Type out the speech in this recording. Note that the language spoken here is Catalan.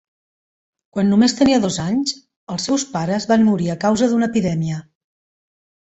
Quan només tenia dos anys, els seus pares van morir a causa d'una epidèmia.